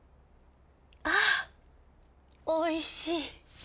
あおいしい。